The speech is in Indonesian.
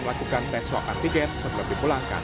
melakukan resokan tiket sebelum dipulangkan